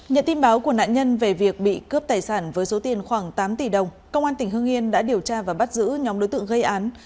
nhận tin báo của nạn nhân về việc bị cướp tài sản với số tiền khoảng tám tỷ đồng công an tỉnh hương yên đã điều tra và bắt giữ nhóm đối tượng gây án